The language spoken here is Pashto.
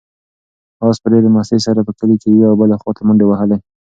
آس په ډېرې مستۍ سره په کلي کې یوې او بلې خواته منډې وهلې.